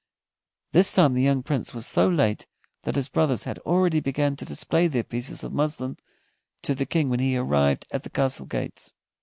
This time the young Prince was so late that his brothers had already begun to display their pieces of muslin to the King when he arrived at the castle gates.